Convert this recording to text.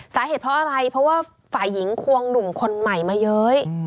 สาเหตุเพราะอะไรเพราะว่าฝ่ายหญิงควงหนุ่มคนใหม่มาเย้ย